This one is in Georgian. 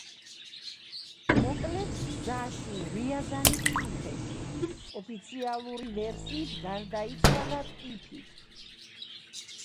მოკლეს გზაში, რიაზანის ციხეში; ოფიციალური ვერსიით გარდაიცვალა ტიფით.